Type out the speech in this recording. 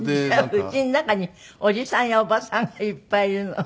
じゃあ家の中におじさんやおばさんがいっぱいいるの？